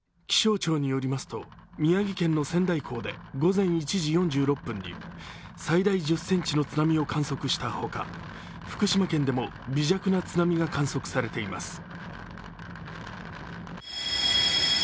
気象庁によりますと宮城県の仙台港で午前１時４６分に最大１０ｃｍの津波を観測したほか福島県でも微弱な津波が観測されています。